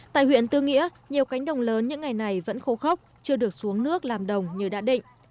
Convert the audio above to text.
tại huyện tư nghĩa nhiều cánh đồng lớn những ngày này vẫn khô khốc chưa được xuống nước làm đồng như đã định